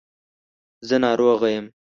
زه ناروغه یم .